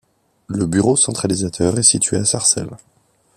Le bureau centralisateur est situé à Sarcelles.